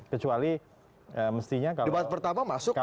kecuali mestinya debat pertama masuk